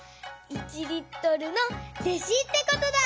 １リットルの弟子ってことだ！